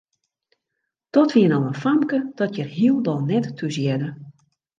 Dat wie no in famke dat hjir hielendal net thúshearde.